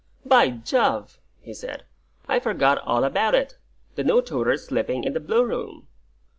"By Jove!" he said; "I forgot all about it. The new tutor's sleeping in the Blue Room!"